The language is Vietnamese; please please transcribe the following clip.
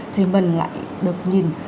thì mình lại được nhìn